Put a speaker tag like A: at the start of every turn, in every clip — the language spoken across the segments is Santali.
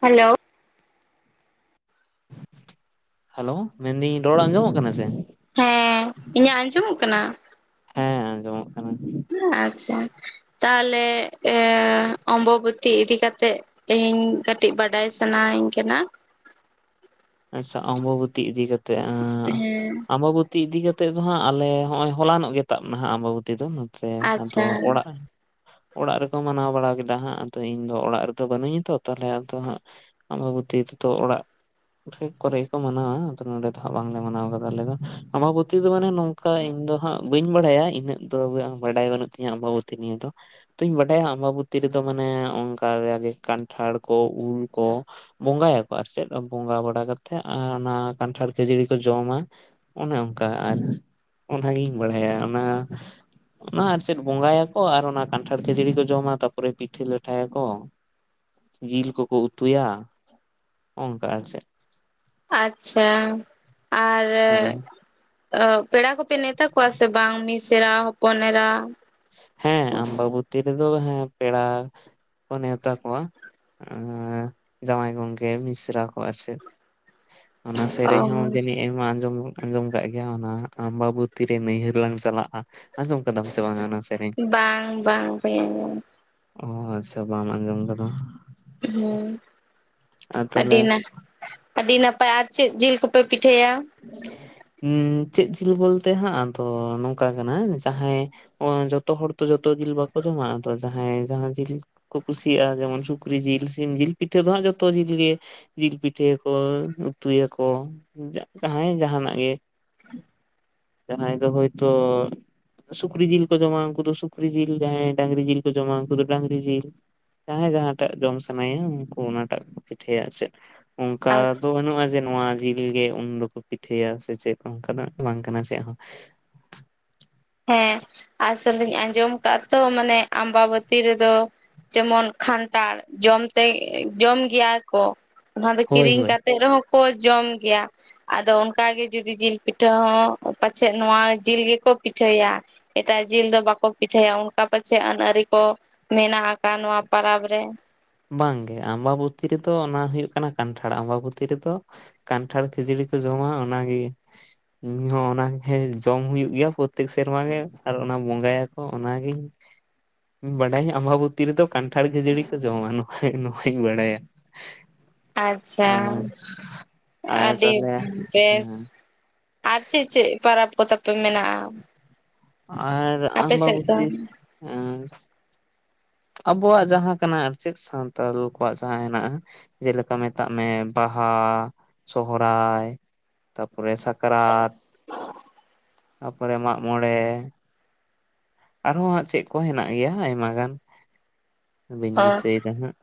A: ᱦᱮᱞᱳ
B: ᱦᱮᱞᱳ ᱢᱮᱱᱫᱟᱹᱧ ᱨᱚᱲ ᱟᱸᱡᱚᱢᱚᱜ ᱠᱟᱱᱟ ᱥᱮ᱾
A: ᱦᱮᱸ ᱤᱧᱟᱹᱜ ᱟᱸᱡᱚᱢᱚᱜ ᱠᱟᱱᱟ?
B: ᱦᱮᱸ ᱟᱸᱡᱚᱢᱚᱜ ᱠᱟᱱᱟ᱾
A: ᱟᱪᱪᱷᱟ ᱛᱟᱞᱦᱮ ᱚᱢᱵᱚᱛᱤ ᱤᱫᱤ ᱠᱟᱛᱮᱜ ᱛᱮᱦᱤᱧ ᱠᱟᱹᱴᱤᱡ ᱵᱟᱰᱟᱭ ᱥᱟᱱᱟᱧ ᱠᱟᱱᱟ
B: ᱟᱪᱪᱷᱟ ᱚᱢᱵᱚᱛᱤ ᱤᱫᱤ ᱠᱟᱛᱮᱜ
A: ᱦᱮᱸ
B: ᱟᱢᱵᱟᱵᱩᱛ ᱛᱤ ᱤᱫᱤ ᱠᱟᱛᱮᱫ ᱫᱚ ᱦᱟᱸᱜ ᱟᱞᱮ ᱦᱚᱸᱜ-ᱚᱭ ᱦᱚᱞᱟᱱᱚᱜ ᱜᱮ ᱛᱟᱵ ᱮᱱᱟ ᱦᱟᱜ ᱟᱢᱵᱚᱛᱤ ᱫᱚ ᱛᱮ ᱟᱫᱚ
A: ᱟᱪᱪᱷᱟ
B: ᱚᱲᱟᱜ ᱚᱲᱟᱜ ᱨᱮᱠᱚ ᱢᱟᱱᱟᱣ ᱵᱟᱲᱟ ᱠᱮᱫᱟ ᱦᱟᱸᱜ ᱟᱫᱚ ᱤᱧ ᱫᱚ ᱚᱲᱟᱜ ᱨᱮᱫᱚ ᱵᱟᱹᱱᱩᱜᱤᱧᱟ ᱛᱚ ᱛᱟᱞᱦᱮ ᱟᱫᱚ ᱦᱟᱸᱜ ᱟᱢᱵᱟᱵᱩᱛᱤ ᱛᱮᱫᱚ ᱚᱲᱟᱜ ᱩᱛᱷᱟᱹᱜ ᱠᱚᱨᱮ ᱜᱮᱠᱚ ᱢᱟᱱᱟᱣᱟ ᱟᱫᱚ ᱱᱚᱰᱮ ᱫᱚ ᱦᱟᱸᱜ ᱵᱟᱝᱞᱮ ᱢᱟᱱᱟᱣ ᱠᱟᱫᱟ ᱟᱞᱮ ᱫᱚ ᱟᱢᱵᱟᱵᱚᱛᱤ ᱫᱚ ᱢᱟᱱᱮ ᱱᱚᱝᱠᱟ ᱤᱧ ᱫᱚ ᱦᱟᱸᱜ ᱵᱟᱹᱧ ᱵᱟᱲᱟᱭᱟ ᱤᱱᱟᱹᱜ ᱫᱚ ᱵᱟᱝ ᱵᱟᱰᱟᱭ ᱵᱟᱹᱱᱩᱜ ᱛᱤᱧᱟ ᱟᱢᱵᱟᱵᱚᱛᱤ ᱱᱤᱭᱟᱹᱫᱚ᱾ ᱛᱚᱧ ᱵᱟᱰᱟᱭᱟ ᱟᱢᱵᱟᱵᱚᱛᱤ ᱨᱮᱫᱚ ᱢᱟᱱᱮ ᱚᱱᱠᱟ ᱡᱟᱜᱮ ᱠᱟᱱᱴᱷᱟᱲ ᱠᱚ, ᱩᱞ ᱠᱚ, ᱵᱚᱸᱜᱟ ᱭᱟᱠᱚ ᱟᱨ ᱪᱮᱫ ᱵᱚᱸᱜᱟ ᱵᱟᱲᱟ ᱠᱟᱛᱮᱜ ᱟᱨ ᱚᱱᱟ ᱠᱟᱱᱴᱷᱟᱲ ᱠᱷᱟᱹᱡᱟᱹᱲᱤ ᱠᱚ ᱡᱚᱢᱟ ᱚᱱᱮ ᱚᱱᱠᱟ ᱟᱨ ᱚᱱᱟ ᱜᱤᱧ ᱵᱟᱲᱟᱭᱟ ᱚᱱᱟ᱾ ᱚᱱᱟ ᱟᱨ ᱪᱮᱫ ᱵᱚᱸᱜᱟ ᱭᱟᱠᱚ ᱟᱨ ᱚᱱᱟ ᱠᱟᱱᱴᱷᱟᱲ ᱠᱷᱟᱹᱡᱟᱹᱲᱤ ᱠᱚ ᱡᱚᱢᱟ ᱛᱟᱨᱯᱚᱨᱮ ᱯᱤᱴᱷᱟᱹ ᱞᱟᱴᱷᱟ ᱭᱟᱠᱚ᱾ ᱡᱤᱞ ᱠᱚᱠᱚ ᱩᱛᱩᱭᱟ᱾ ᱠᱟ‌ ᱟᱨ ᱪᱮᱫ?
A: ᱟᱪᱪᱷᱟᱸ ᱟᱨ
B: ᱦᱳᱭ
A: ᱚᱻ ᱯᱮᱲᱟ ᱠᱚᱯᱮ ᱱᱮᱶᱛᱟ ᱠᱚᱣᱟ ᱥᱮ ᱵᱟᱝ ᱢᱤᱥ ᱮᱨᱟ, ᱦᱚᱯᱚᱱ ᱮᱨᱟ,
B: ᱦᱮᱸ ᱟᱢᱵᱟᱵᱚᱛᱤ ᱨᱮᱫᱚ ᱦᱮᱸ ᱯᱮᱲᱟ ᱠᱚ ᱱᱮᱣᱛᱟ ᱠᱚᱣᱟ᱾ ᱦᱮ ᱡᱟᱶᱟᱭ ᱜᱚᱝᱠᱮ ᱢᱤᱥᱨᱟ ᱠᱚ ᱟᱨ ᱪᱮᱫ᱾ ᱚᱱᱟ
A: ᱚ
B: ᱥᱮᱨᱮᱧ ᱦᱚᱸ ᱡᱟᱹᱱᱤᱜ ᱮᱢᱟ ᱟᱸᱡᱚᱢ ᱟᱸᱡᱚᱢ ᱠᱟᱜ ᱜᱮᱭᱟᱢ ᱚᱱᱟ ᱟᱢᱵᱟᱵᱩᱛᱤ ᱨᱮ ᱱᱟᱹᱭᱦᱟᱹᱨ ᱞᱟᱝ ᱪᱟᱞᱟᱜ-ᱟ᱾ ᱟᱧᱡᱚᱢ ᱠᱟᱫᱟᱢ‌ ᱥᱮ ᱵᱟᱝ ᱚᱱᱟ ᱥᱮᱨᱮᱧ
A: ᱵᱟᱝ ᱵᱟᱝ ᱵᱟᱹᱧ ᱟᱧᱡᱚᱢ
B: ᱚᱸᱻ ᱟᱪᱪᱷᱟ ᱵᱟᱢ ᱟᱸᱡᱚᱢ ᱠᱟᱫᱟ᱾
A: ᱦᱩᱸ
B: ᱟᱨ ᱛᱟᱦᱚᱞᱮ
A: ᱟᱹᱰᱤ ᱱᱟ ᱟᱹᱰᱤ ᱱᱟᱯᱟᱭ ᱟᱨ ᱪᱮᱫ ᱡᱤᱞ ᱠᱚᱯᱮ ᱯᱤᱴᱷᱟᱹᱭᱟ?
B: ᱩᱸ ᱪᱮᱫ ᱡᱤᱞ ᱵᱚᱞᱛᱮ ᱦᱟᱸᱜ ᱫᱚ ᱱᱚᱝᱠᱟ ᱠᱟᱱᱟ ᱡᱟᱦᱟᱸᱭ ᱚᱶᱻ ᱡᱚᱛᱚ ᱦᱚᱲ ᱛᱚ ᱡᱚᱛᱚ ᱡᱤᱞ ᱵᱟᱠᱚ ᱡᱚᱢᱟ ᱟᱫᱚ ᱡᱟᱦᱟᱸᱭ ᱡᱟᱦᱟᱸ ᱡᱤᱞ ᱠᱚ ᱠᱩᱥᱤᱭᱟᱜ-ᱟ ᱡᱮᱢᱚᱱ ᱥᱩᱠᱨᱤ ᱡᱤᱞ ᱥᱤᱢ ᱡᱤᱞ ᱯᱤᱴᱷᱟᱹ ᱫᱚ ᱦᱟᱸᱜ ᱡᱚᱛᱚ ᱡᱤᱞ ᱜᱮ ᱡᱤᱞ ᱯᱤᱴᱷᱟᱹ ᱭᱟᱠᱚ ᱩᱛᱩ ᱭᱟᱠᱚ ᱡᱟᱜ ᱡᱟᱦᱟᱸᱭ ᱡᱟᱦᱟᱸ ᱱᱟᱜ ᱜᱮ ᱡᱟᱦᱟᱸᱭ ᱫᱚ ᱦᱳᱭᱛᱚ ᱥᱩᱠᱨᱤ ᱡᱤᱞ ᱠᱚ ᱡᱚᱢᱟ ᱩᱱᱠᱩ ᱫᱚ ᱥᱩᱠᱨᱤ ᱡᱤᱞ ᱡᱟᱦᱟᱸᱭ ᱰᱟᱝᱨᱤ ᱡᱤᱞ ᱠᱚ ᱡᱚᱢᱟ ᱩᱱᱠᱩ ᱫᱚ ᱰᱟᱝᱨᱤ ᱡᱤᱞ ᱡᱟᱦᱟᱸᱭ ᱡᱟᱦᱟᱸ ᱴᱟᱜ ᱡᱚᱢ ᱥᱟᱱᱟᱭᱟ ᱩᱱᱠᱩ ᱚᱱᱟ ᱴᱟᱜ ᱠᱟ ᱯᱤᱴᱷᱟᱹᱭᱟ ᱟᱨ ᱪᱮᱫ᱾ ᱚᱱᱠᱟ
A: ᱟᱪᱪᱷᱟ
B: ᱫᱚ ᱵᱟᱹᱱᱩᱜᱼᱟ ᱡᱮ ᱱᱚᱶᱟ ᱡᱤᱞ ᱜᱮ ᱩᱱ ᱫᱚ ᱠᱚ ᱯᱤᱴᱷᱟᱹᱭᱟ ᱥᱮ ᱪᱮᱫ ᱠᱚ ᱚᱱᱠᱟ ᱫᱚ ᱵᱟᱝ ᱠᱟᱱᱟ ᱪᱮᱜ ᱦᱚᱸ᱾
A: ᱦᱮᱸ ᱟᱥᱚᱞ ᱫᱩᱧ ᱟᱸᱡᱚᱢ ᱠᱟᱜᱼᱟ ᱛᱚ ᱢᱟᱱᱮ ᱟᱢᱵᱟ ᱵᱟᱹᱛᱤ ᱨᱮᱫᱚ ᱡᱮᱢᱚᱱ ᱠᱷᱟᱱᱴᱟᱲ ᱡᱚᱢ ᱛᱮ ᱮᱸᱜ ᱡᱚᱢ ᱜᱮᱭᱟ ᱠᱚ ᱚᱱᱟ ᱫᱚ
B: ᱦᱳᱭ
A: ᱠᱤᱨᱤᱧ
B: ᱦᱳᱭ
A: ᱠᱟᱛ ᱛᱮᱜ ᱨᱮᱦᱚᱸ ᱠᱚ ᱡᱚᱢ ᱜᱮᱭᱟ᱾ ᱟᱫᱚ ᱚᱱᱠᱟ ᱜᱮ ᱡᱩᱫᱤ ᱡᱤᱞ ᱯᱤᱴᱷᱟᱹ ᱦᱚᱸ ᱯᱟᱪᱷᱮᱜ ᱱᱚᱣᱟ ᱡᱤᱞ ᱜᱮᱠᱚ ᱯᱤᱴᱷᱟᱹᱭᱟ᱾ ᱮᱴᱟᱜ ᱡᱤᱞ ᱫᱚ ᱵᱟᱠᱚ ᱯᱤᱴᱷᱟᱹᱭᱟ ᱚᱱᱠᱟ ᱯᱟᱪᱮᱜ ᱟᱹᱱ-ᱟᱹᱨᱤ ᱠᱚ ᱢᱮᱱᱟᱜ ᱟᱠᱟᱜ ᱱᱚᱣᱟ ᱯᱟᱨᱟᱵᱽ ᱨᱮ᱾
B: ᱵᱟᱝ ᱜᱮ ᱟᱢᱵᱟᱵᱩᱛᱤ ᱨᱮᱫᱚ ᱚᱱᱟ ᱦᱩᱭᱩᱜ ᱠᱟᱱᱟ ᱠᱟᱱᱴᱷᱟᱲ ᱟᱢᱵᱟᱵᱩᱛᱤ ᱨᱮᱫᱚ ᱠᱟᱱᱴᱷᱟᱲ ᱠᱷᱟᱹᱡᱟᱹᱲᱤ ᱠᱚ ᱡᱚᱢᱟ ᱚᱱᱟ ᱜᱤ ᱤᱧ ᱦᱚᱸ ᱚᱱᱟ ᱜᱮ ᱦᱮᱸ ᱡᱚᱢ ᱦᱩᱭᱩᱜ ᱜᱮᱭᱟ ᱯᱚᱨᱛᱮᱠ ᱥᱮᱨᱢᱟ ᱜᱮ ᱟᱨ ᱚᱱᱟ ᱵᱚᱸᱜᱟ ᱭᱟᱠᱚ ᱚᱱᱟ ᱜᱤᱧ ᱤᱧ ᱵᱟᱰᱟᱭᱟ ᱟᱢᱵᱟᱵᱚᱛᱤ ᱨᱮᱫᱚ ᱠᱟᱱᱴᱷᱟᱲ ᱠᱷᱟᱹᱡᱟᱲᱤ ᱠᱚ ᱡᱚᱢᱟ ᱱᱚᱠᱷᱟ ᱱᱚᱠᱷᱟᱧ ᱵᱟᱲᱟᱭᱟ᱾
A: ᱟᱪᱪᱷᱟ
B: ᱟᱨ
A: ᱟᱹᱰᱤ
B: ᱛᱟᱦᱚᱞᱮ
A: ᱵᱮᱥ
B: ᱦᱮᱸ
A: ᱟᱨ ᱪᱮᱫ ᱪᱮᱜ ᱯᱟᱨᱟᱯ ᱠᱚ ᱛᱟᱯᱮ ᱢᱮᱱᱟᱜᱼᱟ?
B: ᱟᱨ
A: ᱟᱯᱮ ᱥᱮᱫ ᱫᱚ
B: ᱟᱢᱵᱟᱵᱩᱛᱤ ᱮᱸ ᱟᱵᱚᱣᱟᱜ ᱡᱟᱦᱟᱸ ᱠᱟᱱᱟ ᱟᱨ ᱪᱮᱫ ᱥᱟᱱᱛᱟᱞ ᱠᱚᱣᱟᱜ ᱡᱟᱦᱟᱸ ᱦᱮᱱᱟᱜᱼᱟ᱾ ᱡᱮᱞᱮᱠᱟ ᱢᱮᱛᱟᱜ ᱢᱮ ᱵᱟᱦᱟ, ᱥᱚᱦᱚᱨᱟᱭ ᱛᱟᱯᱚᱨᱮ ᱥᱟᱠᱨᱟᱛ, ᱛᱟᱯᱚᱨᱮ ᱢᱟᱜ ᱢᱚᱬᱮ ᱟᱨᱦᱚᱸ ᱦᱟᱸᱜ ᱪᱮᱜ ᱠᱚ ᱦᱮᱱᱟᱜ ᱜᱮᱭᱟ ᱟᱭᱢᱟ ᱜᱟᱱ ᱵᱟᱹᱧ
A: ᱚ
B: ᱫᱤᱥᱟᱹᱭ ᱫᱟ ᱦᱟᱸᱜ᱾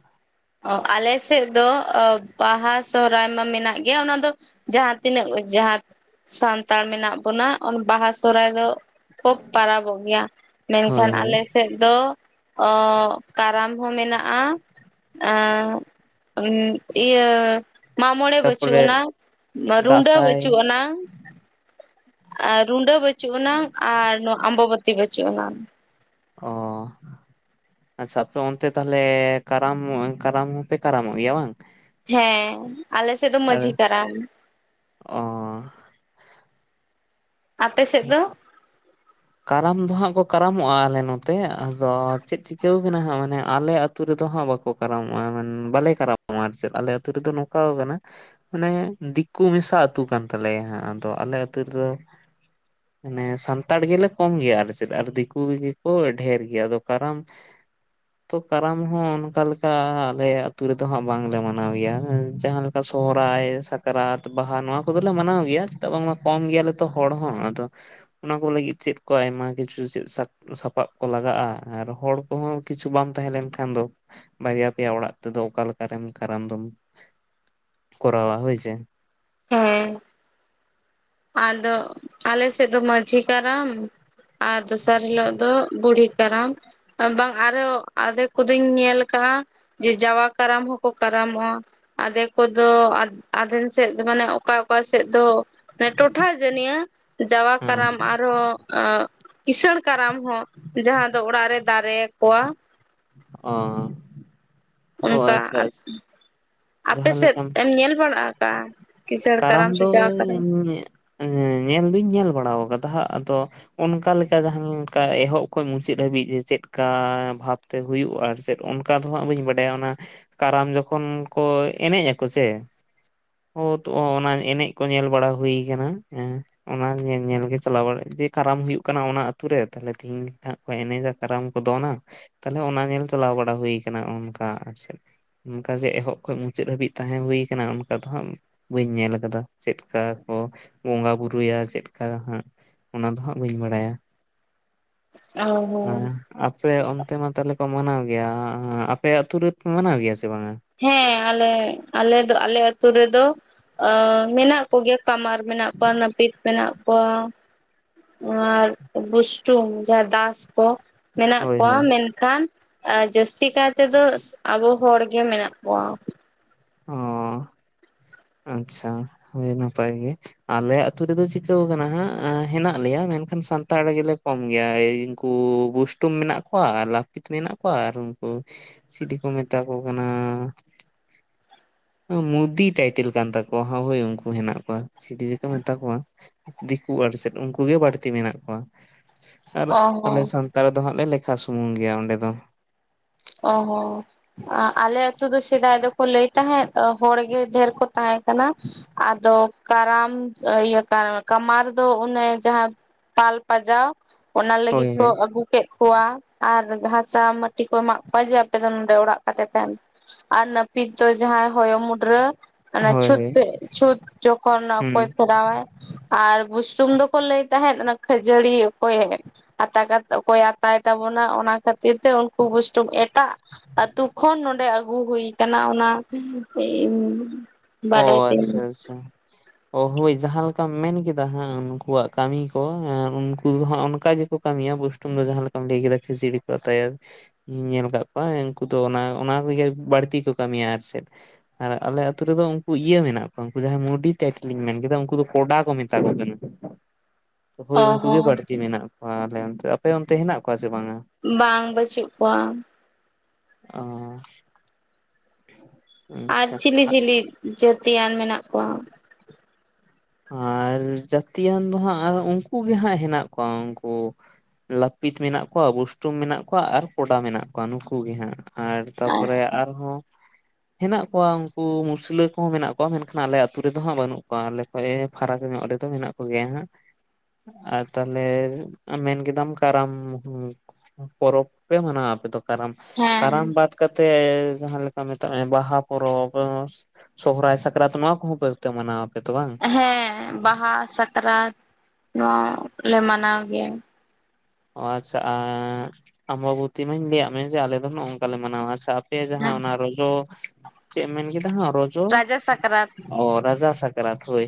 A: ᱚ ᱟᱞᱮ ᱥᱮᱜ ᱫᱚ ᱚ ᱵᱟᱦᱟ, ᱥᱚᱦᱨᱟᱭ ᱢᱟ ᱢᱮᱱᱟᱜ ᱜᱮᱭᱟ ᱚᱱᱟ ᱫᱚ ᱡᱟᱦᱟᱸ ᱛᱤᱱᱟᱹᱜ ᱚ ᱡᱟᱦᱟᱸ ᱥᱟᱱᱛᱟᱲ ᱢᱮᱱᱟᱜ ᱵᱚᱱᱟ ᱚᱱ ᱵᱟᱦᱟ, ᱥᱚᱦᱨᱟᱭ ᱫᱚ ᱠᱚ ᱯᱟᱨᱟᱵᱚᱜ ᱜᱮᱭᱟ
B: ᱦᱳᱭ
A: ᱢᱮᱱᱠᱷᱟᱱ
B: ᱦᱳᱭ
A: ᱟᱞᱮ ᱥᱮᱜ ᱫᱚ ᱚᱻᱜ ᱠᱟᱨᱟᱢ ᱦᱚᱸ ᱢᱮᱱᱟᱜᱼᱟ ᱟᱸᱵ ᱩᱸᱜ ᱤᱭᱟᱹ ᱢᱟᱢᱚᱬᱮ ᱵᱟᱹᱪᱩᱜ
B: ᱛᱟᱯᱚᱨᱮ
A: ᱟᱱᱟᱝ ᱨᱩᱰᱟᱹ
B: ᱫᱟᱸᱥᱟᱭ
A: ᱵᱟᱹᱪᱩᱜ ᱟᱱᱟᱝ ᱟᱨ ᱨᱩᱰᱟᱹ ᱵᱟᱹᱪᱩᱜ ᱟᱱᱟᱝ ᱟᱨ ᱱᱚᱣᱟ ᱟᱢᱵᱟᱵᱟᱹᱛᱤ ᱵᱟᱹᱪᱩᱜ ᱟᱱᱟᱝ᱾
B: ᱚᱻ ᱟᱪᱪᱷᱟ ᱟᱯᱮ ᱚᱱᱛᱮ ᱛᱟᱦᱚᱞᱮ ᱠᱟᱨᱟᱢ ᱠᱟᱨᱟᱢ ᱦᱚᱸᱯᱮ ᱠᱟᱨᱟᱢᱚᱜ ᱜᱮᱭᱟ ᱵᱟᱝ?
A: ᱦᱮᱸ ᱟᱞᱮᱥᱮᱫ ᱫᱚ ᱢᱟᱺᱡᱷᱤ ᱠᱟᱨᱟᱢ᱾
B: ᱚᱻ
A: ᱟᱯᱮ ᱥᱮᱫ ᱫᱚ?
B: ᱠᱟᱨᱟᱢ ᱫᱚ ᱦᱟᱸᱜ ᱠᱚ ᱠᱟᱨᱟᱢᱚᱜᱼᱟ ᱟᱞᱮ ᱱᱚᱛᱮ ᱟᱫᱚ ᱪᱮᱫ ᱪᱤᱠᱟᱹᱣ ᱠᱟᱱᱟ ᱦᱟᱸᱜ ᱢᱟᱱᱮ ᱟᱞᱮ ᱟᱹᱛ ᱟᱹᱛᱩ ᱨᱮᱫᱚ ᱦᱟᱸᱜ ᱵᱟᱠᱚ ᱠᱟᱨᱟᱢᱚᱜᱼᱟ ᱵᱟᱞᱮ ᱠᱟᱨᱟᱢᱚᱜᱼᱟ ᱟᱨ ᱪᱮᱫ ᱟᱞᱮ ᱟᱹᱛᱩ ᱨᱮᱫᱚ ᱱᱚᱝᱠᱟ ᱟᱠᱟᱱᱟ ᱢᱟᱱᱮ ᱫᱤᱠᱩ ᱢᱮᱥᱟ ᱟᱹᱛᱩ ᱠᱟᱱ ᱛᱟᱞᱮᱭᱟ ᱦᱟᱸᱜ ᱟᱫᱚ ᱟᱞᱮ ᱟᱹᱛᱩ ᱨᱮᱫᱚ ᱢᱟᱱᱮ ᱥᱟᱱᱛᱟᱲ ᱜᱮᱞᱮ ᱠᱚᱢ ᱜᱮᱭᱟ ᱟᱨ ᱪᱮᱫ ᱟᱨ ᱫᱤᱠᱩ ᱜᱮᱠᱚ ᱰᱷᱮᱨ ᱜᱮᱭᱟ ᱾ ᱟᱫᱚ ᱠᱟᱨᱟᱢ
A: [inaudible]
B: ᱛᱚ ᱠᱟᱨᱟᱢ ᱦᱚᱸ ᱚᱱᱠᱟ ᱞᱮᱠᱟ ᱟᱞᱮ ᱟᱹᱛᱩ ᱨᱮᱫᱚ ᱦᱟᱸᱜ ᱵᱟᱝᱞᱮ ᱢᱟᱱᱟᱣ ᱜᱮᱭᱟ ᱾ ᱡᱟᱦᱟᱸ ᱞᱮᱠ ᱥᱚᱦᱨᱟᱭ ᱥᱟᱠᱨᱟᱛ ᱵᱟᱦᱟ ᱱᱚᱣᱟ ᱠᱚᱫᱚ ᱞᱮ ᱢᱟᱱᱟᱣ ᱜᱮᱭᱟ ᱪᱮᱫᱟᱜ ᱵᱟᱝᱢᱟ ᱠᱚᱢ ᱜᱮᱭᱟ ᱞᱮ ᱛᱚ ᱦᱚᱲ ᱦᱚᱸ ᱾ ᱟᱫᱚ ᱚᱱᱟ ᱠᱚ ᱞᱟᱹᱜᱤᱫ ᱪᱮᱫ ᱠᱚ ᱟᱭᱢᱟ ᱠᱤᱪᱷᱩ ᱪᱮᱫ ᱥᱟ ᱥᱟᱯᱟᱵ ᱠᱚ ᱞᱟᱜᱟᱜᱼᱟ ᱟᱨ ᱦᱚᱲ ᱠᱚᱦᱚᱸ ᱠᱤᱪᱷᱩ ᱵᱟᱢ ᱛᱟᱦᱮᱸ ᱞᱮᱱᱠᱷᱟᱱ ᱫᱚ ᱵᱟᱨᱭᱟ ᱯᱮᱭᱟ ᱚᱲᱟᱜ ᱛᱮᱫᱚ ᱚᱠᱟ ᱞᱮᱠᱟᱨᱮᱢ ᱠᱟᱨᱟᱢ ᱫᱚᱢ ᱠᱚᱨᱟᱣᱟ ᱦᱳᱭ ᱥᱮ ᱾
A: ᱦᱮᱸ, ᱟᱫᱚ ᱟᱞᱮ ᱥᱮᱫ ᱫᱚ ᱢᱟᱺᱡᱷᱤ ᱠᱟᱨᱟᱢ ᱟᱨ ᱫᱚᱥᱟᱨ ᱦᱤᱞᱳᱜ ᱫᱚ ᱵᱩᱲᱦᱤ ᱠᱟᱨᱟᱢ ᱵᱟᱝ ᱟᱨᱚ ᱟᱫᱮᱠ ᱠᱚᱫᱚᱧ ᱧᱮᱞ ᱠᱟᱜᱼᱟ ᱡᱮ ᱡᱟᱣᱟ ᱠᱟᱨᱟᱢ ᱦᱚᱸᱠᱚ ᱠᱟᱨᱟᱢᱚᱜᱼᱟ ᱾ ᱟᱫᱮᱠ ᱠᱚᱫᱚ ᱟᱫᱷᱮᱱ ᱥᱮᱫ ᱢᱟᱱᱮ ᱚᱠᱟ ᱚᱠᱟ ᱥᱮᱫ ᱫᱚ ᱴᱚᱴᱷᱟ ᱡᱟᱹᱱᱤᱭᱟᱹ ᱡᱟᱣᱟ
B: ᱦᱮᱸ
A: ᱠᱟᱨᱟᱢ ᱟᱨᱦᱚᱸ ᱟᱸᱻ ᱠᱤᱸᱥᱟᱹᱬ ᱠᱟᱨᱟᱢ ᱦᱚᱸ ᱡᱟᱦᱟᱸ ᱫᱚ ᱚᱲᱟᱜ ᱨᱮ ᱫᱟᱨᱮ ᱟᱠᱚᱣᱟ ᱾
B: ᱚᱻ
A: ᱚᱱᱠᱟ ᱟᱫ ᱟᱯᱮ
B: ᱡᱟᱦᱟᱸ
A: ᱥᱮᱫ
B: ᱞᱮᱠᱟᱢ
A: ᱮᱢ ᱧᱮᱞ ᱵᱟᱲᱟ ᱟᱠᱟᱫᱼᱟ ᱠᱤᱥᱟᱹᱬ ᱠᱟᱨᱟᱢ ᱥᱮ ᱡᱟᱣᱟ ᱠᱟᱨᱟᱢ?
B: ᱧᱮᱞ ᱫᱩᱧ ᱧᱮᱞ ᱵᱟᱲᱟ ᱟᱠᱟᱫᱟ ᱦᱟᱸᱜ ᱟᱫᱚ ᱚᱱᱠᱟ ᱞᱮᱠᱟ ᱡᱟᱦᱟᱸ ᱞᱮᱠᱟ ᱮᱦᱚᱵ ᱠᱷᱚᱱ ᱢᱩᱪᱟᱹᱫ ᱦᱟᱹᱵᱤᱡ ᱪᱮᱫᱠᱟ ᱵᱷᱟᱵᱽ ᱛᱮ ᱦᱩᱭᱩᱜᱼᱟ ᱟᱨ ᱪᱮᱫ ᱚᱱᱠᱟ ᱫᱚ ᱦᱟᱸᱜ ᱵᱟᱹᱧ ᱵᱟᱰᱟᱭᱟ᱾ ᱚᱱᱟ ᱠᱟᱨᱟᱢ ᱡᱚᱠᱷᱚᱱ ᱠᱚ ᱮᱱᱮᱡ ᱟᱠᱚ ᱥᱮ [unintelligible] ᱛᱚ ᱚᱱᱟ ᱮᱱᱮᱡ ᱠᱚ ᱧᱮᱞ ᱵᱟᱲᱟ ᱦᱩᱭ ᱟᱠᱟᱱᱟ, ᱦᱮᱸ ᱾ ᱚᱱᱟ ᱧᱮᱧᱮᱞ ᱜᱮ ᱪᱟᱞᱟᱣ ᱵᱟᱲᱟᱜᱼᱟ ᱡᱮ, ᱠᱟᱨᱟᱢ ᱦᱩᱭᱩᱜ ᱠᱟᱱᱟ ᱚᱱᱟ ᱟᱛᱩ ᱨᱮ ᱛᱟᱦᱞᱮ ᱛᱮᱦᱤᱧ ᱦᱟᱜ ᱠᱚ ᱮᱱᱮᱡᱟ ᱠᱟᱨᱟᱢ ᱠᱚ ᱫᱚᱱᱟ, ᱛᱟᱦᱞᱮ ᱚᱱᱟ ᱧᱮᱞ ᱪᱟᱞᱟᱣ ᱵᱟᱲᱟ ᱦᱩᱭ ᱟᱠᱟᱱᱟ ᱚᱱᱠᱟ ᱟᱨ ᱪᱮᱫ ᱾ ᱚᱱᱠᱟ ᱡᱮ ᱮᱦᱚᱵ ᱠᱷᱚᱱ ᱢᱩᱪᱟᱹᱫ ᱦᱟᱹᱵᱤᱡ ᱛᱟᱦᱮᱸ ᱦᱩᱭ ᱟᱠᱟᱱᱟ ᱚᱱᱠᱟ ᱫᱚ ᱦᱟᱸᱜ ᱵᱟᱹᱧ ᱧᱮᱞ ᱟᱠᱟᱫᱟ, ᱪᱮᱫᱠᱟ ᱠᱚ ᱵᱚᱸᱜᱟ ᱵᱩᱨᱩᱭᱟ ᱪᱮᱫᱠᱟ ᱦᱟᱸᱜ ᱚᱱᱟ ᱫᱚ ᱦᱟᱸᱜ ᱵᱟᱹᱧ ᱵᱟᱲᱟᱭᱟ ᱾ [inaudible]
A: ᱚ ᱦᱚᱸ
B: [unintelligible] ᱟᱯᱮ ᱚᱱᱛᱮ ᱢᱟ ᱛᱟᱦᱚᱞᱮ ᱠᱚ ᱢᱟᱱᱟᱣ ᱜᱮᱭᱟ, ᱟᱯᱮ ᱟᱹᱛᱩ ᱨᱮ ᱯᱮ ᱢᱟᱱᱟᱣ ᱜᱮᱭᱟ ᱥᱮ ᱵᱟᱝᱼᱟ?
A: ᱦᱮᱸ ᱟᱞᱮ ᱟᱞᱮ ᱫᱚ ᱟᱞᱮ ᱟᱹᱛᱩ ᱨᱮᱫᱚ ᱢᱮᱱᱟᱜ ᱠᱚᱜᱮᱭᱟ ᱠᱟᱢᱟᱨ ᱢᱮᱱᱟᱜ ᱠᱚᱣᱟ ᱱᱟᱹᱯᱤᱛ ᱢᱮᱱᱟᱜ ᱠᱚᱣᱟ ᱾ ᱟᱨ ᱵᱩᱥᱴᱩᱢ ᱡᱟᱦᱟᱸ ᱫᱟᱥ ᱠᱚ ᱢᱮᱱᱟᱜ
B: ᱦᱳᱭ
A: ᱠᱚᱣᱟ
B: ᱦᱳᱭ
A: ᱢᱮᱱ ᱠᱷᱟᱱ ᱡᱟᱹᱥᱛᱤ ᱠᱟᱭ ᱛᱮᱫᱚ ᱟᱵᱚ ᱦᱚᱲ ᱜᱮ ᱢᱮᱱᱟᱜ ᱠᱚᱣᱟ ᱾
B: ᱚ
A: [inaudible]
B: ᱟᱪᱪᱷᱟ, ᱦᱳᱭ ᱱᱟᱯᱟᱭ ᱜᱮ ᱾ ᱟᱞᱮ ᱟᱹᱛᱩ ᱨᱮᱫᱚ ᱪᱤᱠᱟᱹᱣ ᱠᱟᱱᱟ ᱦᱟᱸᱜ ᱦᱮᱱᱟᱜ ᱞᱮᱭᱟ, ᱢᱮᱱᱠᱷᱟᱱ ᱥᱟᱱᱛᱟᱲ ᱜᱮᱞᱮ ᱠᱚᱢ ᱜᱮᱭᱟ ᱮᱭ ᱩᱱᱠᱩ ᱵᱩᱥᱴᱩᱢ ᱢᱮᱱᱟᱜ ᱠᱚᱣᱟ ᱞᱟᱹᱯᱤᱛ ᱢᱮᱱᱟᱜ ᱠᱚᱣᱟ ᱟᱨ ᱩᱱᱠᱩ ᱪᱤᱞᱤ ᱠᱚ ᱢᱮᱛᱟ ᱠᱚ ᱠᱟᱱᱟ ᱢᱩᱫᱤ ᱴᱟᱭᱴᱮᱞ ᱠᱟᱱ ᱛᱟᱠᱚᱣᱟ ᱦᱟᱜ, ᱦᱳᱭ ᱩᱱᱠᱩ ᱦᱮᱱᱟᱜ ᱠᱚᱣᱟ ᱪᱤᱞᱤ ᱡᱮ ᱠᱚ ᱢᱮᱛᱟ ᱠᱚᱣᱟ ᱾ ᱫᱤᱠᱩ ᱟᱨ ᱪᱮᱫ ᱩᱱᱠᱩ ᱜᱮ ᱵᱟᱹᱲᱛᱤ ᱢᱮᱱᱟᱜ ᱠᱚᱣᱟ ᱾ ᱟᱨ
A: ᱚ
B: ᱟᱞᱮ
A: ᱦᱚᱸ
B: ᱥᱟᱱᱛᱟᱲ ᱫᱚ ᱦᱟᱸᱜ ᱞᱮᱠᱷᱟ ᱥᱩᱢᱩᱝ ᱜᱮᱭᱟ ᱚᱸᱰᱮ ᱫᱚ ᱾
A: ᱚ ᱦᱚᱸᱻ ᱟ ᱟᱞᱮ ᱟᱛᱩ ᱫᱚ ᱥᱮᱫᱟᱭ ᱫᱚᱠᱚ ᱞᱟᱹᱭ ᱛᱟᱦᱮᱸᱫ ᱦᱚᱲ ᱜᱮ ᱰᱷᱮᱨ ᱠᱚ ᱛᱟᱦᱮᱸ ᱠᱟᱱᱟ ᱾ ᱟᱫᱚ ᱠᱟᱨᱟᱢ ᱤᱭᱟᱹ ᱠᱟᱢᱟᱨ ᱫᱚ ᱚᱱᱮ ᱡᱟᱦᱟᱸ ᱯᱷᱟᱞ ᱯᱟᱡᱟᱣ ᱚᱱᱟ
B: ᱦᱳᱭ
A: ᱞᱟᱹᱜᱤᱫ ᱠᱚ
B: ᱦᱳᱭ
A: ᱟᱹᱜᱩ ᱠᱮᱫ ᱠᱚᱣᱟ ᱟᱨ [unintelligible] ᱢᱟᱹᱴᱤ ᱠᱚ ᱮᱢᱟᱜ ᱠᱚᱣᱟ ᱡᱮ, ᱟᱯᱮ ᱫᱚ ᱱᱚᱰᱮ ᱚᱲᱟᱜ ᱠᱟᱛᱮ ᱛᱟᱦᱮᱱ ᱯᱮ ᱾ ᱟᱨ ᱱᱟᱹᱯᱤᱛ ᱫᱚ ᱡᱟᱦᱟᱸᱭ ᱦᱚᱭᱚ ᱢᱩᱰᱨᱟᱹ ᱚᱱᱮ
B: ᱦᱳᱭ
A: ᱪᱷᱩᱛ
B: ᱦᱳᱭ
A: ᱯᱮ ᱪᱷᱩᱛ ᱡᱠᱷᱚᱱ
B: ᱦᱩᱸ
A: ᱠᱚᱭ ᱯᱷᱮᱨᱟᱣ ᱟᱭ ᱟᱨ ᱵᱩᱥᱴᱩᱢ ᱫᱚᱠᱚ ᱞᱟᱹᱭ ᱛᱟᱦᱮᱸᱫ ᱚᱱᱟ ᱠᱷᱟᱹᱡᱟᱹᱲᱤ ᱚᱠᱚᱭᱮ ᱟᱛᱟ ᱠᱟᱛᱮ ᱚᱠᱚᱭᱮ ᱟᱛᱟᱭ ᱛᱟᱵᱚᱱᱟ ᱚᱱᱟ ᱠᱷᱟᱹᱛᱤᱨ ᱛᱮ ᱩᱱ- ᱠᱩ ᱵᱩᱥᱴᱩᱢ ᱮᱴᱟᱜ ᱟᱛᱩ ᱠᱷᱚᱱ ᱱᱚᱰᱮ ᱟᱹᱜᱩ ᱦᱩᱭ ᱠᱟᱱᱟ ᱚᱱᱟ ᱤᱧ
B: ᱚ ᱟᱪᱪᱷᱟ ᱟᱪᱪᱷᱟ ᱚ ᱦᱳᱭ ᱡᱟᱦᱟᱸ ᱞᱮᱠᱟᱢ ᱢᱮᱱ ᱠᱮᱫᱟ ᱦᱟᱸᱜ ᱩᱱᱠᱩᱣᱟᱜ ᱠᱟᱹᱢᱤ ᱠᱚ ᱩᱱᱠᱩ ᱫᱚ ᱦᱟᱸᱜ ᱚᱱᱠᱟ ᱜᱮᱠᱚ ᱠᱟᱹᱢᱤᱭᱟ ᱵᱩᱥ- ᱴᱤᱢ ᱫᱚ ᱡᱟᱦᱟᱸ ᱞᱮᱠᱟᱢ ᱞᱟᱹᱭ ᱠᱮᱫᱟ ᱠᱟᱹᱡᱟᱹᱲᱤ ᱠᱚ ᱟᱛᱟᱭᱟ ᱤᱧ ᱧᱮᱞ ᱟᱠᱟᱫ ᱠᱚᱣᱟ ᱩᱱᱠᱩ ᱫᱚ ᱚᱱᱟ ᱚᱱᱟ ᱠᱚᱜᱮ ᱵᱟᱹᱲᱛᱤ ᱠᱚ ᱠᱟᱹᱢᱤᱭᱟ ᱟᱨ ᱪᱮᱫ ᱟᱨ ᱟᱞᱮ ᱟᱛᱳ ᱨᱮᱫᱚ ᱩᱱᱠᱩ ᱤᱭᱟᱹ ᱢᱮᱱᱟᱜ ᱠᱚᱣᱟ ᱩᱱᱠᱩ ᱡᱟᱦᱟᱸᱭ ᱢᱩᱰᱤ ᱴᱟᱴᱮᱞᱤᱧ ᱢᱮᱱ ᱠᱮᱫᱟ ᱩᱱᱠᱩ ᱫᱚ ᱠᱚᱰᱟ ᱠᱚ ᱢᱮᱛᱟ ᱠᱚ ᱠᱟᱱᱟ ᱦᱳᱭ
A: ᱚ
B: ᱩᱱᱠᱩ ᱜᱮ
A: ᱦᱚᱸ
B: ᱵᱟᱹᱲᱛᱤ ᱢᱮᱱᱟᱜ ᱠᱚᱣᱟ ᱟᱞᱮ ᱚᱱᱛᱮ ᱟᱯᱮ ᱚᱱᱛᱮ ᱦᱮᱱᱟᱜ ᱠᱚᱣᱟ ᱥᱮ ᱵᱟᱝᱼᱟ
A: ᱵᱟᱝ ᱵᱟᱹᱪᱩᱜ ᱠᱚᱣᱟ
B: ᱚᱻ [inaudible]
A: ᱟᱨ ᱪᱤᱞᱤ ᱪᱤᱞᱤ ᱡᱟᱹᱛᱤᱭᱟᱱ ᱢᱮᱱᱟᱜ ᱠᱚᱣᱟ?
B: ᱟᱨ ᱡᱟᱹᱛᱤᱭᱟᱱ ᱫᱚ ᱦᱟᱸᱜ ᱟᱨ ᱩᱱᱠᱩ ᱜᱮ ᱦᱟᱸᱜ ᱦᱮᱱᱟᱜ ᱠᱚᱣᱟ ᱩᱱᱠᱩ ᱞᱟᱹᱯᱤᱛ ᱢᱮᱱᱟᱜ ᱠᱚᱣᱟ ᱵᱩᱥᱴᱩᱢ ᱢᱮᱱᱟᱜ ᱠᱚᱣᱟ ᱟᱨ ᱠᱚᱰᱟ ᱢᱮᱱᱟᱜ ᱠᱚᱣᱟ ᱱᱩᱠᱩ ᱜᱮ ᱦᱟᱸᱜ ᱟᱨ ᱛᱟ ᱯᱚᱨᱮ
A: ᱟᱪᱪᱷᱟ
B: ᱟᱨᱦᱚᱸ ᱦᱮᱱᱟᱜ ᱠᱚᱣᱟ ᱩᱱᱠᱩ ᱢᱩᱥᱞᱟᱹ ᱠᱚᱦᱚᱸ ᱢᱮᱱᱟᱜ ᱠᱚᱣᱟ ᱢᱮᱱᱠᱷᱟᱱ ᱟᱞᱮ ᱟᱛᱩ ᱨᱮᱫᱚ ᱦᱟᱸᱜ ᱵᱟᱹᱱᱩᱜ ᱠᱚᱣᱟ ᱟᱞᱮ [unintelligible] ᱯᱷᱟᱨᱟᱠ ᱧᱚᱜ ᱨᱮ ᱫᱚ ᱢᱮᱱᱟᱜ ᱠᱚᱜᱮᱭᱟ ᱦᱟᱸᱜ ᱟᱨ ᱛᱟᱞᱦᱮ ᱢᱮᱱ ᱠᱮᱫᱟᱢ ᱠᱟᱨᱟᱢ ᱯᱚᱨᱚᱵᱽ ᱯᱮ ᱢᱟᱱᱟᱣᱟ ᱟᱯᱮ ᱫᱚ ᱠᱟᱨᱟᱢ
A: ᱦᱮᱸ
B: ᱠᱟᱨᱟᱢ ᱵᱟᱫ ᱠᱟᱛᱮ ᱡᱟᱦᱟᱸ ᱞᱮᱠᱟ ᱢᱮᱛᱟᱜ ᱢᱮ ᱵᱟᱦᱟ ᱯᱚᱨᱚᱵᱽ ᱮᱸ ᱥᱚᱦᱚᱨᱟᱭ ᱥᱟᱠᱨᱟᱛ ᱱᱚᱣᱟ ᱠᱚᱦᱚᱸ ᱯᱮ ᱛᱟ ᱢᱟᱱᱟᱣ ᱟᱯᱮ ᱛᱚ ᱵᱟᱝ?
A: ᱦᱮᱸ ᱵᱟᱦᱟ ᱥᱟᱠᱨᱟᱛ ᱱᱚᱣᱟ ᱞᱮ ᱢᱟᱱᱟᱣ ᱜᱮᱭᱟ
B: ᱚ ᱟᱪᱪᱷᱟ ᱟᱻ ᱟᱢᱵᱟᱵᱚᱛᱤ ᱢᱟᱧ ᱞᱟᱹᱭᱟᱫ ᱢᱮ ᱡᱮ ᱟᱞᱮ ᱫᱚ ᱱᱚᱝᱠᱟ ᱞᱮ ᱢᱟᱱᱟᱣᱟ ᱟᱪᱪᱷᱟ ᱟ- ᱯᱮ ᱡᱟᱦᱟᱸ ᱚᱱᱟ ᱨᱚᱡᱚ ᱪᱮᱫ ᱮᱢ ᱢᱮᱱ ᱠᱮᱫᱟ ᱦᱟᱸᱜ ᱨᱚᱡᱚ
A: ᱨᱟᱡᱟ ᱥᱟᱠᱨᱟᱛ
B: ᱚ ᱨᱟᱡᱟ ᱥᱟᱠᱨᱟᱛ ᱦᱳᱭ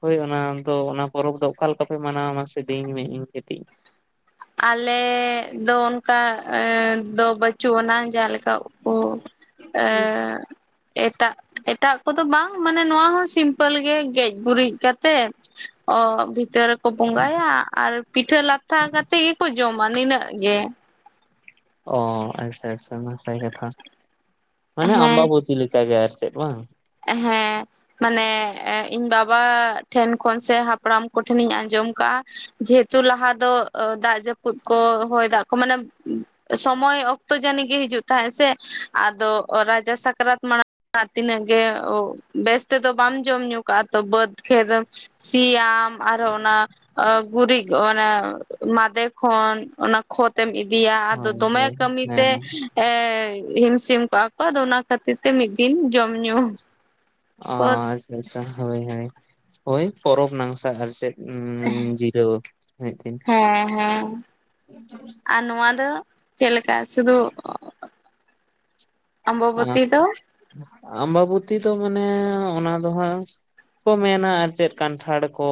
B: ᱦᱳᱭ ᱚᱱᱟ ᱫᱚ ᱚᱱᱟ ᱯᱚᱨᱚᱵᱽ ᱫᱚ ᱚᱠᱟ ᱞᱮᱠᱟ ᱯᱮ ᱢᱟᱱᱟᱣᱟ ᱢᱟᱥᱮ ᱞᱟᱹᱭ ᱤᱧ ᱢᱮ ᱤᱧ ᱠᱟᱹᱴᱤᱡ
A: ᱟᱞᱮᱻ ᱫᱚ ᱚᱱᱠᱟ ᱫᱚ ᱮ ᱫᱚ ᱵᱟᱹᱪᱩᱜ ᱟᱱᱟ ᱡᱟᱦᱟᱸ ᱞᱮᱠᱟ ᱚ ᱮᱻ ᱮᱴᱟᱜ ᱮᱴᱟᱜ ᱠᱚᱫᱚ ᱵᱟᱝ ᱢᱟᱱᱮ ᱱᱚᱣᱟ ᱦᱚᱸ ᱥᱤᱢᱯᱮᱞ ᱜᱮ ᱜᱮᱡ ᱜᱩᱨᱤᱡ ᱠᱟᱛᱮᱜ ᱚ ᱵᱷᱤᱛᱟᱹᱨ ᱨᱮᱠᱚ ᱵᱚᱸᱜᱟᱭᱟ ᱟᱨ ᱯᱤᱴᱷᱟᱹ ᱞᱟᱛᱷᱟ ᱠᱟᱛᱮᱫ ᱜᱮᱠᱚ ᱡᱚᱢᱟ ᱱᱤᱱᱟᱹᱜ ᱜᱮ
B: ᱚ ᱟᱪᱪᱷᱟ ᱟᱪᱪᱷᱟ ᱱᱟᱯᱟᱭ ᱠᱟᱛᱷᱟ ᱢᱟᱱᱮ
A: ᱦᱮᱸ
B: ᱟᱢᱵᱟᱵᱚᱛᱤ ᱞᱮᱠᱟᱜᱴ ᱜᱮ ᱟᱨ ᱪᱮᱫ ᱵᱟᱝ
A: ᱦᱮᱸ ᱢᱟᱱᱮ ᱤᱧ ᱵᱟᱵᱟ ᱴᱷᱮᱱ ᱠᱷᱚᱱ ᱥᱮ ᱦᱟᱯᱲᱟᱢ ᱠᱚᱴᱷᱮᱱᱤᱧ ᱟᱸᱡᱚᱢ ᱠᱟᱜᱼᱟ ᱡᱮᱦᱮᱛᱩ ᱞᱟᱦᱟ ᱫᱚ ᱫᱟᱜ ᱡᱟᱹᱯᱩᱫ ᱠᱚ ᱦᱚᱭ ᱫᱟᱜ ᱠᱚ ᱢᱟᱱᱮ ᱥᱚᱢᱚᱭ ᱚᱠᱛᱚ ᱡᱟᱹᱱᱤ ᱜᱮ ᱦᱤᱡᱩᱜ ᱛᱟᱦᱮᱸᱜ ᱥᱮ ᱟᱫᱚ ᱨᱟᱡᱟ ᱥᱟᱠᱨᱟᱛ ᱢᱟᱲᱟᱝ ᱟᱨ ᱛᱤᱱᱟᱹᱝ ᱜᱮ ᱵᱮᱥ ᱛᱮ ᱫᱚ ᱵᱟᱢ ᱡᱚᱢ ᱧᱩ ᱠᱟᱜᱼᱟ ᱛᱚ ᱵᱟᱹᱫᱽ ᱠᱷᱮᱛ ᱮᱢ ᱥᱤᱭᱟᱢ ᱟᱨᱚ ᱚᱱᱟ ᱚ ᱜᱩᱨᱤᱡ ᱚᱱᱟᱮᱴ ᱢᱟᱫᱮ ᱠᱷᱚᱱ ᱚᱱᱟ ᱠᱷᱚᱛ ᱛᱮᱢ ᱤᱫᱤᱭᱟ ᱟᱫᱚ
B: ᱦᱳᱭ
A: ᱫᱚᱢᱮ
B: ᱦᱳᱭ
A: ᱠᱟᱹᱢᱤ ᱛᱮ
B: ᱦᱮᱸ
A: ᱮᱻ ᱦᱤᱢ ᱥᱤᱢ ᱠᱚᱜᱼᱟ ᱠᱚ ᱟᱫᱚ ᱚᱱᱟ ᱠᱷᱟᱹᱛᱤᱨ ᱛᱮ ᱢᱤᱫ ᱫᱤᱱ ᱡᱚᱢ ᱧᱩ
B: ᱚ
A: ᱯᱚᱨ
B: ᱟᱪᱪᱷᱟ ᱟᱪᱪᱷᱟ ᱦᱳᱭ ᱦᱳᱭ ᱦᱳᱭ ᱯᱚᱨᱚᱵᱽ ᱱᱟᱝᱥᱟ ᱟᱨ ᱪᱮᱫ ᱩᱸᱻ ᱡᱤᱨᱟᱣ [inaudible]
A: ᱦᱮᱸ ᱦᱮᱸ ᱟᱨ ᱱᱚᱣᱟ ᱫᱚ ᱪᱮᱫ ᱞᱮᱠᱟ ᱥᱩᱫᱷᱩ, ᱚᱢᱵᱚᱵᱚᱛᱤ ᱫᱚ?
B: ᱟᱢᱵᱟᱵᱚᱛᱤ ᱫᱚ ᱢᱟᱱᱮ ᱚᱱᱟ ᱫᱚ ᱦᱟᱸᱜ ᱠᱚ ᱢᱮᱱᱟ ᱟᱨ ᱪᱮᱫ ᱠᱟᱱᱴᱷᱟᱲ ᱠᱚ,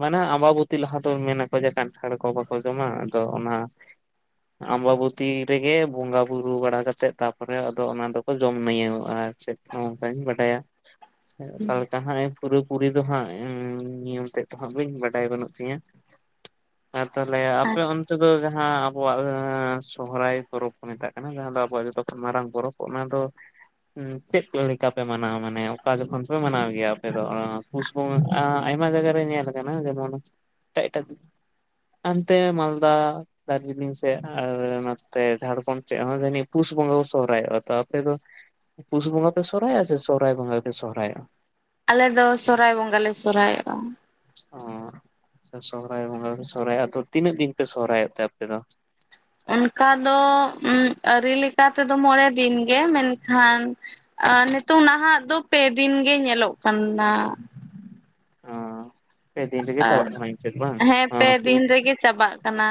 B: ᱢᱟᱱᱮ ᱟᱢᱵᱟᱵᱚᱛᱤ ᱞᱟᱦᱟ ᱫᱚ ᱢᱮᱱᱟ ᱠᱚ ᱡᱮ ᱠᱟᱱᱴᱷᱟᱲ ᱠᱚ ᱵᱟᱠᱚ ᱡᱚᱢᱟ, ᱟᱫᱚ ᱚᱱᱟ ᱟᱢᱵᱟᱵᱚᱛᱤ ᱨᱮᱜᱮ ᱵᱚᱸᱜᱟ ᱵᱩᱨᱩ ᱵᱟᱲᱟ ᱠᱟᱛᱮᱜ ᱛᱟ -ᱯᱚᱨᱮ ᱟᱫᱚ ᱚᱱᱟ ᱫᱚᱠᱚ ᱡᱚᱢ [unintelligible] ᱟᱨ ᱪᱮᱫ, ᱱᱚᱣᱟ ᱠᱚᱧ ᱵᱟᱰᱟᱭᱟ᱾ ᱥᱮ ᱚᱠᱟ ᱞᱮᱠᱟ [unintelligible] ᱯᱩᱨᱟᱹ ᱯᱩᱨᱤ ᱫᱚ ᱦᱟᱸᱜ ᱱᱤᱭᱚᱢ ᱛᱮᱫ ᱫᱚᱦᱟᱸᱜ ᱵᱟᱹᱧ ᱵᱟᱰᱟᱭ ᱵᱟᱹᱱᱩᱜ ᱛᱤᱧᱟᱹ᱾ ᱦᱮᱸ ᱛᱟᱦᱞᱮ ᱟᱯᱮ ᱚᱱᱛᱮ ᱫᱚ ᱡᱟᱦᱟᱸ ᱟᱢ ᱟᱵᱚᱣᱟᱜ ᱫᱚ ᱡᱟᱦᱟᱸ ᱥᱚᱦᱚᱨᱟᱭ ᱯᱚᱨᱚᱵᱽ ᱠᱚ ᱢᱮᱛᱟᱜ ᱠᱟᱱᱟ ᱡᱟᱦᱟᱸ ᱫᱚ ᱟᱵᱚᱣᱟᱜ ᱡᱚᱛᱚ ᱠᱷᱚᱱ ᱢᱟᱨᱟᱝ ᱯᱚᱨᱚᱵᱽ᱾ ᱚᱱᱟ ᱫᱚ ᱩᱸ ᱪᱮᱫ ᱠᱚ ᱞᱮᱠᱟ ᱯᱮ ᱢᱟᱱᱟᱣᱟ ᱢᱟᱱᱮ ᱚᱠᱟ ᱡᱚᱠᱷᱚᱱ ᱫᱚ ᱯᱮ ᱢᱟᱱᱟᱣ ᱜᱮᱭᱟ ᱟᱯᱮ ᱫᱚ, ᱯᱩᱥ ᱵᱚᱸᱜᱟ ᱟᱸ, ᱟᱭᱢᱟ ᱡᱟᱭᱜᱟ ᱨᱮ ᱧᱮᱞ ᱟᱠᱟᱱᱟ ᱡᱮᱢᱚᱱ ᱮᱴᱟᱜ ᱮᱴᱟᱜ ᱦᱟᱱᱛᱮ ᱢᱟᱞᱫᱟ ᱫᱟᱨᱡᱤᱞᱤᱝ ᱥᱮᱫ, ᱟᱨ ᱱᱟᱛᱮ ᱡᱷᱟᱲᱠᱷᱚᱸᱰ ᱥᱮᱜ ᱦᱚᱸ ᱡᱟᱹᱱᱤᱡ ᱯᱩᱥ ᱵᱚᱸᱜᱚ ᱠᱚ ᱥᱚᱦᱚᱨᱟᱭᱚᱜᱼᱟ, ᱛᱚ ᱟᱯᱮ ᱫᱚ ᱯᱩᱥ ᱵᱚᱸᱜᱟ ᱯᱮ ᱥᱚᱦᱚᱨᱟᱭᱚᱜᱼᱟ ᱥᱮ ᱥᱚᱦᱚᱨᱟᱭ ᱵᱚᱸᱜᱟ ᱜᱮᱯᱮ ᱥᱚᱦᱚᱨᱟᱭᱚᱜᱼᱟ?
A: ᱟᱞᱮ ᱫᱚ ᱥᱚᱨᱦᱟᱭ ᱵᱚᱸᱜᱟ ᱞᱮ ᱥᱚᱨᱦᱟᱭᱚᱜᱼᱟ᱾
B: ᱚᱸ᱾ ᱟᱪᱪᱷᱟ ᱥᱚᱦᱚᱨᱟᱭ ᱵᱚᱸᱜᱟ ᱯᱮ ᱥᱚᱦᱨᱟᱭᱚᱜ-ᱟ, ᱟᱫᱚ ᱛᱤᱱᱟᱹᱜ ᱫᱤᱱ ᱯᱮ ᱥᱚᱦᱨᱟᱭᱚᱜ ᱛᱮ ᱟᱯᱮ ᱫᱚ?
A: ᱚᱱᱠᱟ ᱫᱚ, ᱩᱸ ᱟᱹᱨᱤ ᱞᱮᱠᱟᱛᱮ ᱫᱚ ᱢᱚᱬᱮ ᱫᱤᱱᱜᱮ ᱢᱮᱱᱠᱷᱟᱱ ᱟ ᱱᱤᱛᱚᱝ ᱱᱟᱦᱟᱜ ᱫᱚ ᱯᱮ ᱫᱤᱱ ᱜᱮ ᱧᱮᱞᱚᱜ ᱠᱟᱱᱟ᱾
B: ᱚᱸᱻ ᱯᱮ ᱫᱤᱱ ᱨᱮᱜᱮ ᱪᱟᱵᱟᱜ ᱠᱟᱱᱟ ᱤᱝᱠᱟᱹ ᱜᱮ ᱵᱟᱝ?
A: ᱦᱮᱸ ᱯᱮ
B: ᱟᱸ ᱯᱩᱭ
A: ᱫᱤᱱ ᱨᱮᱜᱮ ᱪᱟᱵᱟᱜ ᱠᱟᱱᱟ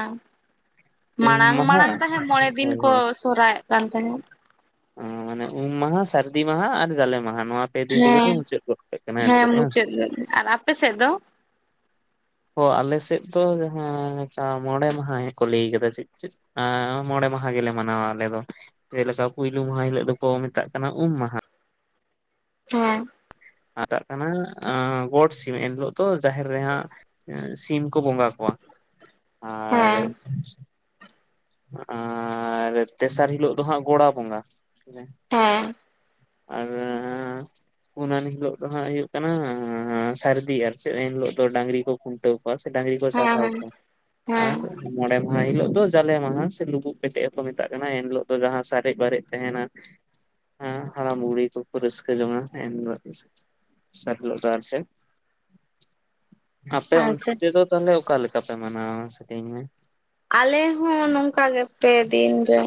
B: ᱩᱢ
A: ᱢᱟᱲᱟᱝ
B: ᱢᱟᱦᱟ
A: ᱢᱟᱲᱟᱝ ᱛᱟᱦᱮᱸ ᱢᱚᱬᱮ ᱫᱤᱱ
B: ᱦᱳᱭ
A: ᱠᱚ [unintelligible] ᱠᱟᱱ ᱛᱟᱦᱮᱸᱫ᱾
B: ᱚᱸ ᱢᱟᱱᱮ ᱩᱢ ᱢᱟᱦᱟ, ᱥᱟᱹᱨᱫᱤ ᱢᱟᱦᱟ ᱟᱨ ᱡᱟᱞᱮ ᱢᱟᱦᱟ ᱱᱚᱣᱟ ᱯᱮ ᱫᱤᱱ ᱨᱮᱜᱮ ᱯᱮ
A: ᱦᱮᱸ,
B: ᱢᱩᱪᱟᱹᱫ ᱜᱚᱫ ᱠᱟᱜ ᱠᱟᱱᱟ ᱟᱨ
A: ᱦᱮᱸ
B: ᱪᱮᱫ ᱵᱟᱝ?
A: ᱢᱩᱪᱟᱹᱫᱥᱮᱫ, ᱟᱨ ᱟᱯᱮ ᱥᱮᱫ ᱫᱚ?
B: ᱚ ᱟᱞᱮ ᱥᱮᱫ ᱫᱚ ᱡᱟᱦᱟᱸ ᱞᱮᱠᱟ ᱢᱚᱬᱮ ᱢᱟᱦᱟ ᱜᱮ ᱠᱚ ᱞᱟᱹᱭ ᱟᱠᱟᱫᱟ ᱪᱮᱫ ᱪᱮᱫ, ᱟᱸᱻ ᱢᱚᱬᱮ ᱢᱟᱦᱟ ᱜᱮ ᱞᱮ ᱢᱟᱱᱟᱣ ᱟ ᱟᱞᱮ ᱫᱚ᱾ ᱡᱮᱞᱮᱠᱟ ᱯᱩᱭᱞᱳ ᱢᱟᱦᱟ ᱦᱤᱞᱳᱜ ᱫᱚ ᱠᱚ ᱢᱮᱛᱟᱜ ᱠᱟᱱᱟ ᱩᱢ ᱢᱟᱦᱟ,
A: ᱦᱚᱸ᱾
B: ᱦᱟᱛᱟᱜ ᱠᱟᱱᱟ ᱟᱸ ᱜᱚᱴ ᱥᱤᱢ ᱮᱱ ᱦᱤᱞᱳᱜ ᱫᱚ ᱡᱟᱦᱮᱨ ᱨᱮ ᱦᱟᱸᱜ ᱥᱤᱢ ᱠᱚ ᱵᱚᱸᱜᱟ ᱠᱚᱣᱟ, ᱟᱨ
A: ᱦᱮᱸ
B: ᱟᱨ ᱛᱮᱥᱟᱨ ᱦᱤᱞᱳᱜ ᱫᱚ ᱦᱟᱸᱜ ᱜᱚᱲᱟ ᱵᱚᱸᱜᱟ ᱦᱮᱸᱪᱮ᱾
A: ᱦᱮᱸ᱾
B: ᱟᱨᱻ ᱯᱩᱱ ᱟᱱ ᱦᱤᱞᱚᱜ ᱫᱚ ᱦᱟᱸᱜ ᱦᱩᱭᱩᱜ ᱠᱟᱱᱟ ᱟᱸᱻ ᱥᱟᱹᱨᱫᱤ ᱟᱨ ᱪᱮᱫ, ᱮᱱ ᱦᱤᱞᱚᱜ ᱫᱚ ᱰᱟᱝᱨᱤ ᱠᱚ ᱠᱷᱩᱱᱴᱟᱹᱣ ᱠᱚᱣᱟ ᱥᱮ ᱰᱟᱝᱨᱤ ᱠᱚ
A: ᱦᱮᱸ
B: ᱪᱟᱨᱦᱟᱣ
A: ᱦᱮᱸ
B: ᱠᱚᱣᱟ,
A: ᱦᱮᱸ
B: ᱟᱨ ᱢᱚᱬᱮ ᱢᱟᱦᱟ ᱦᱤᱞᱳᱜ ᱫᱚ ᱡᱟ ᱞᱮ ᱢᱟᱦᱟ ᱥᱮ ᱞᱩᱵᱩᱜ ᱯᱮᱴᱮᱡ ᱦᱚᱸᱠᱚ ᱢᱮᱛᱟᱜ ᱠᱟᱱᱟ ᱮᱱ ᱦᱤᱞᱳᱜ ᱫᱚ ᱡᱟᱦᱟᱸ ᱥᱟᱨᱮᱡ ᱵᱟᱨᱮᱡ ᱛᱟᱦᱮᱸᱱᱟ, ᱦᱮᱸ ᱦᱟᱲᱟᱢ ᱵᱩᱲᱤ ᱠᱚ ᱠᱚ ᱨᱟᱹᱥᱠᱟᱹ ᱡᱚᱝᱟ ᱮᱱ ᱦᱤᱞᱚᱜ ᱜᱮ᱾ ᱥᱟᱨ ᱦᱤᱞᱚᱜ ᱫᱚ ᱟᱨ ᱪᱮᱫ,
A: [inaudible]
B: ᱟᱯᱮ
A: ᱟᱪᱪᱷᱟ
B: ᱚᱱᱛᱮ ᱫᱚ ᱛᱟᱦᱚᱞᱮ ᱚᱠᱟ ᱞᱮᱠᱟ ᱯᱮ ᱢᱟᱱᱟᱣᱟ? [unintelligible]
A: ᱟᱞᱮ ᱦᱚᱸ ᱱᱚᱝᱠᱟ ᱜᱮ ᱯᱮ ᱫᱤᱱ ᱨᱮ,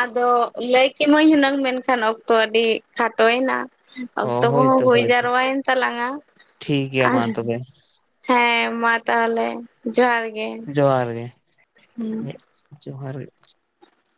A: ᱟᱫᱚ ᱞᱟᱹᱭ ᱠᱮᱢᱟᱹᱧ ᱦᱩᱱᱟᱹᱝ ᱢᱮᱱᱠᱷᱟᱱ ᱚᱠᱛᱚ ᱟᱹᱰᱤ ᱠᱷᱟᱴᱚᱭᱱᱟ᱾
B: ᱚ
A: ᱚᱠᱛᱚ ᱠᱚ ᱦᱚᱸ
B: ᱦᱳᱭᱛᱚ
A: ᱦᱩᱭ
B: ᱦᱳᱭᱛᱚ
A: ᱡᱟᱨᱚᱣᱟᱭᱮᱱ ᱛᱟᱞᱟᱝᱟ,
B: ᱴᱷᱤᱠ ᱜᱮᱭᱟ ᱢᱟ
A: ᱟᱨ
B: ᱛᱚᱵᱮ
A: ᱦᱮᱸ ᱢᱟ ᱛᱟᱦᱞᱮ ᱡᱚᱦᱟᱨ ᱜᱮ᱾
B: ᱡᱚᱦᱟᱨ ᱜᱮ,
A: ᱦᱩᱸ
B: ᱦᱮᱸᱜ ᱡᱚᱦᱟᱨ ᱜᱮ᱾